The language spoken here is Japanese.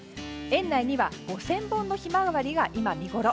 園内には５０００本のヒマワリが今、見ごろ。